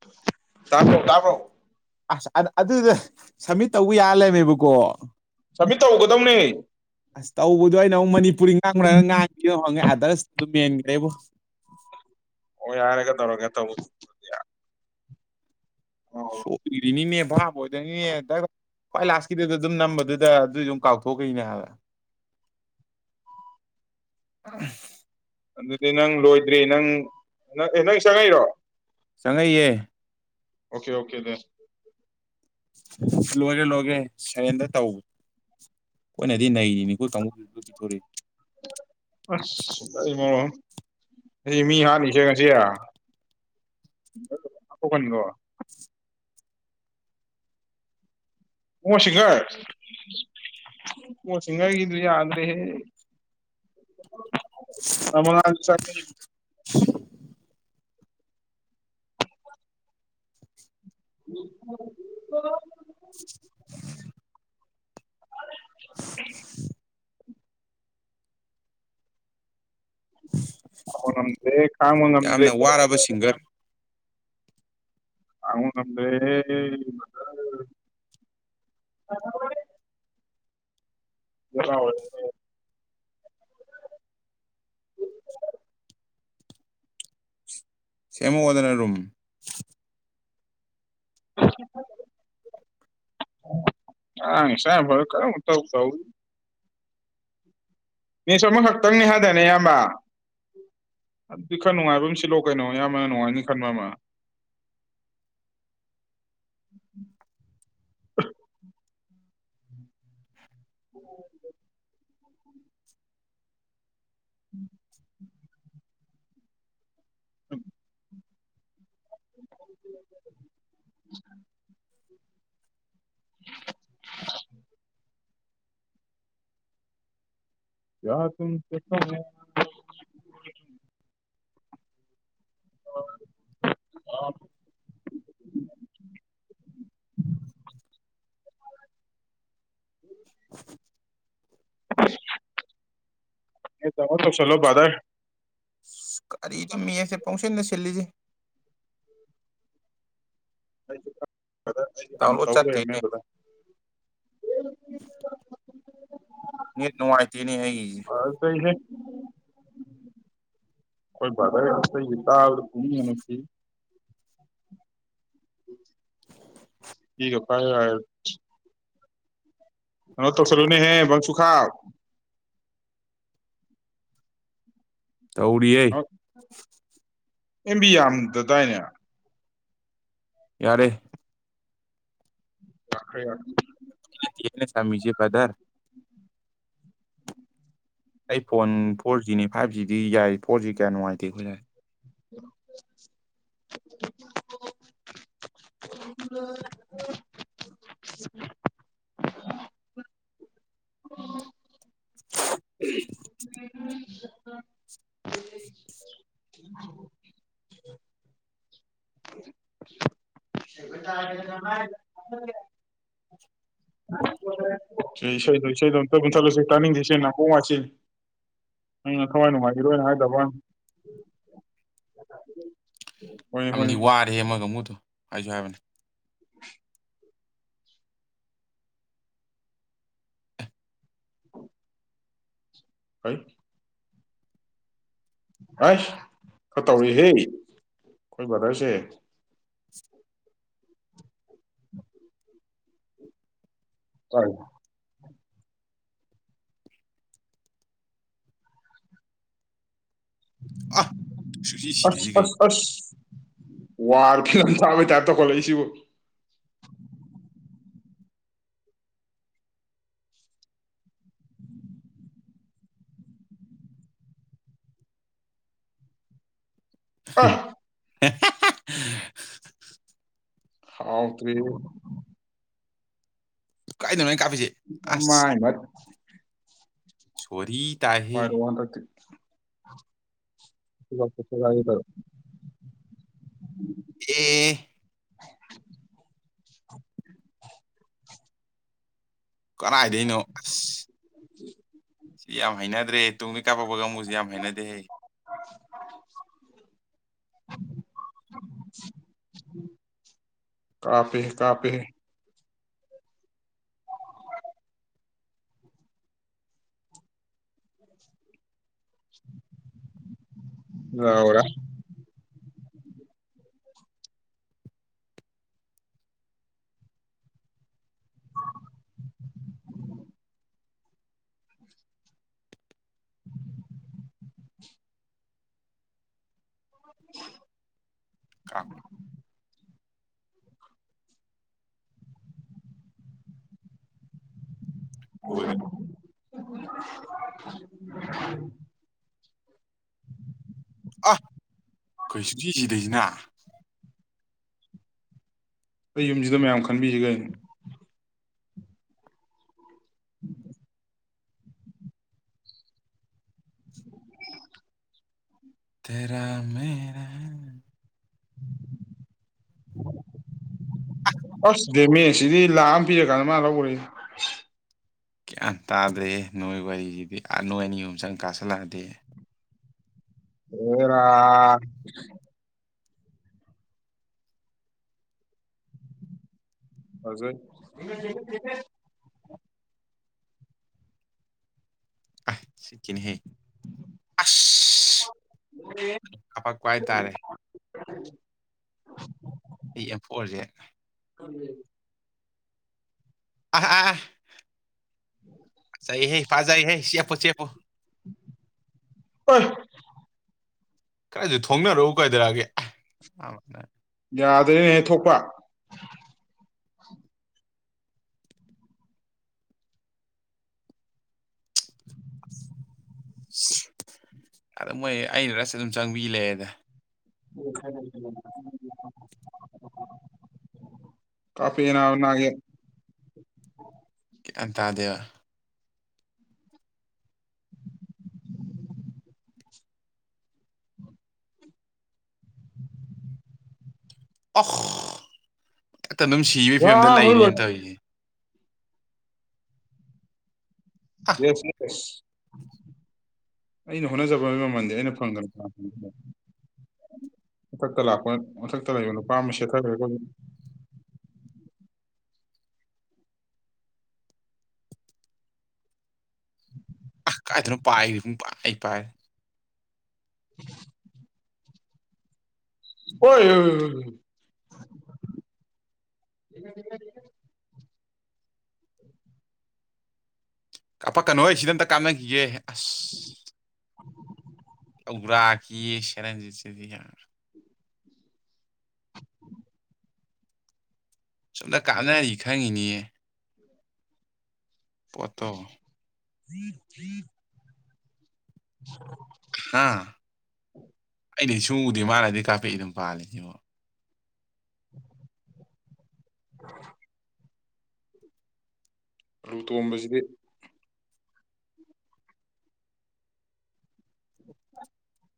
ꯇꯣ ꯇꯥꯕ꯭ꯔꯣ ꯑꯁ ꯑꯗꯨꯗ ꯁꯕꯃꯤꯠ ꯇꯧꯕ ꯌꯥ ꯂꯩꯃꯦꯕꯀꯣ ꯁꯃꯤ ꯇꯧꯒꯗꯧꯅꯦ ꯑꯁ ꯇꯧꯕꯗꯣ ꯑꯩꯅ ꯑꯃꯨꯛ ꯃꯅꯤꯄꯨꯔꯤ ꯉꯥꯡꯈ꯭ꯔꯒ ꯉꯥꯡꯈꯤ ꯍꯪꯉꯦ ꯑꯗꯔꯁꯦꯟ ꯑꯦꯕꯨꯣ ꯑꯣ ꯍꯥꯏꯔꯒ ꯇꯧꯔꯒꯦ ꯇꯧꯕ ꯁꯣꯏꯔꯤꯅꯤꯅꯦꯚ ꯃꯣꯏꯗꯪꯒꯤ ꯈ꯭ꯋꯥꯏ ꯂꯥꯁꯀꯤꯗꯨꯗ ꯑꯗꯨꯝ ꯅꯝꯕꯗꯨꯗ ꯑꯗꯨꯏ ꯑꯗꯨꯝ ꯀꯥꯎꯊꯣꯛꯈꯩꯅꯦ ꯍꯥꯏꯕ ꯑꯗꯨꯗꯤ ꯅꯪ ꯂꯣꯏꯗ꯭ꯔꯤ ꯅꯪ ꯅꯪ ꯆꯪꯉꯛꯏꯔꯣ ꯆꯪꯉꯛꯏꯌꯦ ꯑꯣꯀꯦ ꯑꯣꯀꯦ ꯗ ꯂꯦ ꯂꯦ ꯁꯦꯟꯗ ꯇꯧ ꯑꯩꯈꯣꯏꯅꯗꯤ ꯅꯔꯤꯅꯤꯈꯨꯜ ꯀꯥꯡ ꯄꯤꯊꯣꯔꯏ ꯑꯁꯤ ꯃꯤ ꯍꯥꯠꯅꯤꯁꯦ ꯉꯁꯤ ꯍꯥꯣꯛꯀꯅꯤꯀꯣ ꯍꯁꯤꯡꯒꯥꯏ ꯍꯁꯒꯔꯒꯤꯗꯨ ꯌꯥꯗꯗꯦ ꯑ ꯃ ꯆ ꯑꯣ [unintelligible] ꯑꯣ ꯅꯝꯗꯦ ꯈꯥꯡꯕ ꯌꯥꯝꯅ ꯉꯝꯗꯔꯦ ꯋꯥꯔꯕ ꯁꯤꯡꯒꯔ ꯈꯥꯡꯕ ꯉꯝꯗꯔꯦ ꯀ [unintelligible] ꯁꯦꯃꯛ ꯑꯣꯗꯅ ꯔꯣꯝ ꯑꯉꯥꯡ ꯃꯆꯥ ꯐꯔ ꯀꯔꯤꯅꯣꯝ ꯏꯇꯧ ꯇꯧꯏ ꯃꯤꯁ ꯑꯃꯈꯛꯇꯪꯅꯤ ꯍꯥꯏꯗꯅꯦ ꯑꯌꯥꯝꯕ ꯑꯗꯨꯗꯤ ꯈꯔ ꯅꯨꯡꯉꯥꯏꯕ ꯑꯃ ꯁꯤꯜꯂꯣ ꯀꯩꯅꯣ ꯑꯌꯥꯝꯕꯅ ꯅꯨꯡꯉꯥꯏꯅꯤ ꯈꯟꯕ ꯑꯃ ꯑꯣ [inaudible] ꯎꯝ [unintelligible] [inaudible] [inaudible] ꯀꯌꯥ ꯇꯨꯝ ꯀꯣ [unintelligible] [inaudible] ꯗꯥꯎꯂꯣꯠ ꯇꯧꯆꯜꯂꯣ ꯕꯔꯥꯗꯔ [unintelligible] ꯀꯔꯤꯝꯃꯤ ꯃꯦꯁꯁꯦ ꯄꯪꯁꯤꯟꯗ ꯁꯤꯜꯂꯦ ꯁꯤꯜꯂꯤꯖꯤ [unintelligible] ꯕꯔꯗꯔ ꯑꯩ ꯍꯥꯟꯅ ꯗꯥꯎꯟꯂꯣꯗ ꯆꯠꯇꯦꯅꯦ ꯇꯧꯔꯦꯃꯦꯕ ꯅꯦꯠ ꯅꯨꯡꯉꯥꯏꯇꯦꯅꯦ ꯑꯩꯒꯤꯁꯦ ꯑꯩꯣꯏ ꯐꯊꯔꯦ ꯑꯁ ꯌꯦꯔ ꯀ ꯃꯁꯤꯁꯤ ꯁꯤꯒ ꯍꯥꯏꯌꯦ ꯍꯥꯏꯌꯦ ꯀꯥꯏꯅꯣ ꯇꯧꯁꯜꯂꯨꯅꯦ ꯍꯦ [unintelligible] ꯁꯨꯨ ꯈꯥ ꯇꯧꯔꯤꯌꯦ ꯑꯦꯝꯕꯤ ꯌꯥꯝ ꯗꯗꯥꯏꯅꯦ ꯌꯥꯔꯦ ꯋꯥꯈꯔꯤ ꯌꯥ ꯊꯦ ꯄꯙꯔ ꯑꯩ ꯐꯣꯟ ꯐꯣꯔ ꯖꯤꯅꯤ ꯐꯥꯏꯚ ꯖꯤꯗꯤ ꯌꯥꯏ ꯐꯣꯔ ꯖꯤ ꯀꯌꯥ ꯅꯨꯡꯉꯥꯏꯇꯦ ꯑꯩꯈꯣꯏ ꯌꯥꯏ ꯎꯝ ꯎ [unintelligible] [unintelligible] [unintelligible] ꯁꯤ ꯏꯁꯩꯗꯣ ꯏꯁꯩꯗꯣ ꯑꯝꯇ ꯄꯨꯨꯟꯊꯠꯂꯁꯤ ꯇꯥꯅꯤꯡꯗꯦ ꯏꯁꯩꯆꯦ ꯅꯥꯀꯣꯡ ꯋꯥꯁꯤ ꯑꯩꯅ ꯊꯋꯥꯏ ꯅꯨꯡꯉꯥꯏꯈꯤꯔꯣꯏꯅ ꯍꯥꯏꯗꯕ ꯑꯃꯗꯤ ꯍꯣꯏꯅꯦ ꯋꯥꯔꯦ ꯑꯃꯒ ꯑꯃꯨꯗꯣ ꯑꯖꯣꯏꯕꯦꯟ ꯍ ꯍ ꯈꯔ ꯇꯧꯔꯤꯍ ꯑꯩꯈꯣꯏ ꯕꯗꯔꯁꯦ ꯀꯔ ꯑ ꯁꯨꯡꯁꯤ ꯁꯤꯗꯩꯁꯤ ꯀꯩ ꯑꯁꯁꯄ ꯋꯥꯔ ꯐꯤꯂꯝꯂꯝ ꯆꯃꯦ ꯇꯥꯏꯞꯇ ꯀ ꯂꯩꯁꯤꯕꯨ ꯑ ꯍ ꯍꯥꯎ ꯀꯏ ꯀꯥꯏꯗꯅ ꯑꯃ ꯁꯔꯤ ꯄꯔ ꯋꯥꯗꯛꯇꯦ ꯆꯂꯣ ꯑꯦ [unintelligible] [unintelligible] [unintelligible] [unintelligible] ꯀꯗꯥꯏꯗꯅꯣ ꯑꯁ ꯎꯝ ꯁꯤ ꯌꯥꯝ ꯍꯩꯅꯗ꯭ꯔꯦ ꯇꯨꯡꯗ ꯀꯥꯞꯄꯛꯄꯒ ꯃꯨꯁꯨꯦ ꯌꯥꯝ ꯍꯩꯅꯗꯦ ꯍꯩ ꯀꯥꯄꯤꯍꯦ ꯀꯥꯄꯤꯍꯦ ꯑ ꯍꯔ [unintelligible] [unintelligible] ꯀ ꯂꯣꯏꯒ꯭ꯔꯦ ꯑꯣ [unintelligible] [unintelligible] ꯑ ꯑꯩꯈꯣꯏ ꯁꯨꯖꯤꯁꯤꯗꯩꯁꯤꯅ ꯑꯩ ꯌꯨꯝꯁꯤꯗ ꯃꯌꯥꯝ ꯈꯟꯕꯤꯁꯤꯒꯦ ꯇꯦꯔꯥ ꯃꯔꯥ ꯑꯁ ꯗꯦꯃꯦ ꯁꯤꯗꯤ ꯂꯥꯛꯑ ꯑꯃ ꯄꯤꯔꯀꯥꯟꯗ ꯃꯥ ꯂꯧꯕꯔꯦ ꯀꯌꯥ ꯇꯥꯗ꯭ꯔꯦ ꯅꯣꯏ ꯋꯥꯔꯤꯁꯤꯗꯤ ꯅꯣꯏ ꯑꯅꯤ ꯑꯨꯝ ꯆꯪ ꯀꯥꯁꯜꯂꯛꯑꯗꯦ ꯍꯔ ꯍꯧꯖꯣꯏ ꯁꯤ ꯀꯍꯦ ꯑꯁ ꯀꯄꯄꯥꯛ ꯀꯋꯥꯥꯏ ꯇꯥꯔꯦ [unintelligible] [unintelligible] ꯑꯩ ꯑꯃꯦꯝꯊꯣꯛꯑꯁꯦ ꯑ ꯑ ꯍ ꯐꯥꯖ ꯍ ꯆꯄꯣ ꯆꯄꯣ ꯄ ꯀꯗꯥꯥꯏꯁꯨ ꯊꯣꯡꯅꯔꯛꯎ ꯀꯥꯏꯗꯔꯥꯒꯦ ꯌꯥꯗ꯭ꯔꯦꯅꯦꯍ ꯊꯣꯛꯄ ꯑꯗꯨ ꯃꯣꯏ ꯑꯩꯅ ꯔꯁ ꯑꯗꯨꯝ ꯆꯪꯕꯤ ꯂꯩꯦꯗ ꯀꯥꯐꯤꯅꯅꯒ ꯑꯟꯇꯥꯗꯕ ꯑꯣꯐ ꯍꯛꯇ ꯑꯗꯨꯝ ꯁꯤꯕꯒꯤ ꯐꯤꯕꯝꯗ ꯋꯥꯕꯅ ꯂꯩꯔꯦꯅ ꯂꯣꯏꯔꯦ ꯇꯧꯔꯤꯁꯦ ꯁꯁ ꯑꯩꯅ ꯍꯣꯠꯅꯖꯕꯒꯤ ꯃꯃꯜꯗꯤ ꯑꯩꯅ ꯐꯪꯗꯅ ꯃꯊꯛꯇ ꯂꯥꯛꯄ ꯃꯊꯛꯇ ꯂꯩꯕ ꯅꯨꯄꯥ ꯑꯃ ꯁꯦꯠꯊꯈ꯭ꯔꯒ [unintelligible] ꯀꯥꯏꯗꯅꯣ ꯄꯥꯏ ꯄꯥꯏ ꯄꯥꯏ [unintelligible] ꯍꯣꯏ ꯎ ꯎ ꯀꯄꯛ ꯀꯅꯣ ꯍꯣꯏ ꯁꯤꯗ ꯑꯝꯇ ꯀꯥꯞꯅꯈꯤꯒꯦ ꯑꯁ ꯎ꯭ꯔꯥ ꯑꯀꯤ ꯌꯦ ꯁꯦꯔꯦꯟꯖ ꯎꯆꯔ ꯁꯣꯝꯗ ꯀꯥꯟꯅꯔꯤ ꯈꯪꯉꯤꯅꯤꯌꯦ ꯄꯠꯇꯣ ꯎ ꯊꯔꯤ ꯎ ꯑꯩꯗꯤ ꯁꯨꯉꯨꯗꯦ ꯃꯥꯥꯟꯅꯗꯩ ꯀꯥꯞꯄꯛꯏ ꯑꯗꯨꯝ ꯄꯥꯜꯂ ꯁꯤꯕꯣ [unintelligible] ꯑꯂꯨ ꯇꯣꯝꯕꯁꯤꯗꯤ [unintelligible]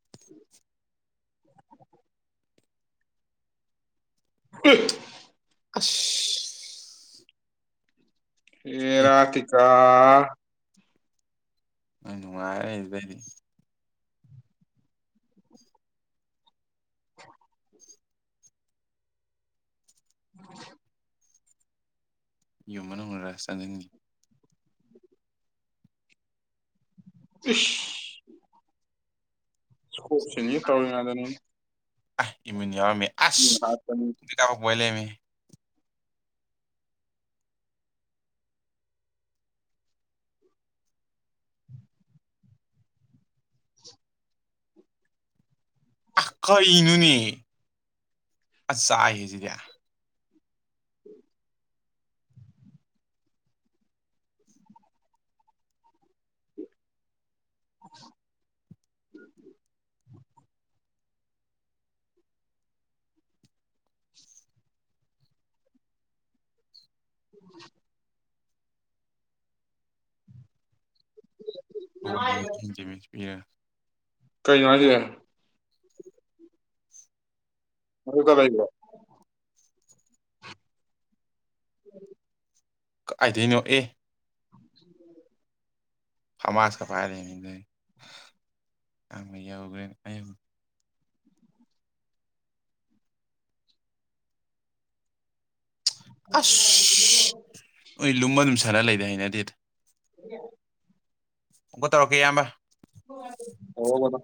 [unintelligible] [unintelligible] ꯎꯝ ꯑ ꯑꯦꯔꯥ ꯀ ꯀꯥ ꯑꯥ ꯑꯩ ꯅꯨꯡꯉꯥꯏꯔꯦ ꯑꯗꯨꯗꯩꯗꯤ [unintelligible] ꯎ ꯌꯨꯝ ꯃꯅꯨꯡꯔ ꯆꯪꯅꯤꯡꯟꯉꯤ ꯑ ꯁꯣꯁꯤ ꯇꯧꯅꯗꯅ ꯑ ꯏꯃ ꯌꯥꯎꯔꯝꯃꯦ ꯑꯁ ꯍꯥꯠꯄꯅꯤ ꯏꯇꯥꯎ [inaudible] ꯂꯦꯃꯤ ꯑ ꯀꯔꯤꯅꯣꯅꯤ ꯑ ꯆꯥꯛ ꯑꯦ ꯁꯤꯗꯤ [inaudible] [unintelligible] [inaudible] [inaudible] ꯑꯦ ꯀꯩ ꯉꯅꯨꯡꯒꯦ [unintelligible] [inaudible] ꯀꯥꯏꯗꯣꯏꯅꯣ ꯑꯦ ꯍꯃꯥꯁ ꯀ ꯄꯥꯏꯔꯦꯗ ꯑ ꯑꯁ ꯍꯣꯏ ꯂꯨꯝꯕ ꯑꯗꯨꯝ ꯁꯥꯟꯅ ꯂꯩꯗ ꯍꯥꯏꯩꯅ ꯑꯗꯨꯦꯗꯤ ꯌꯥ ꯑꯃꯨꯛꯀ ꯇꯧꯔꯛꯀꯦ ꯏꯌꯥꯝꯕ ꯍꯗ